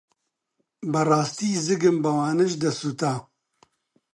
بەڕاستی زگم بەوانەش دەسووتا.